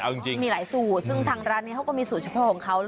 เอาจริงมีหลายสูตรซึ่งทางร้านนี้เขาก็มีสูตรเฉพาะของเขา